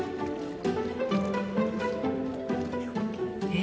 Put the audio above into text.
え？